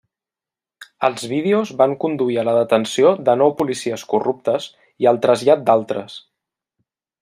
Els vídeos van conduir a la detenció de nou policies corruptes i el trasllat d'altres.